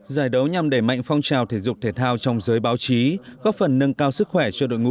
giải đấu nhằm đẩy mạnh phong trào thể dục thể thao trong giới báo chí góp phần nâng cao sức khỏe cho đội ngũ